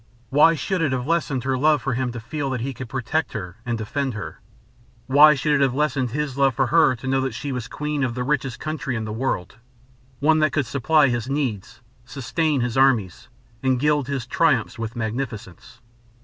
Why should it have lessened her love for him to feel that he could protect her and defend her? Why should it have lessened his love for her to know that she was queen of the richest country in the world one that could supply his needs, sustain his armies, and gild his triumphs with magnificence?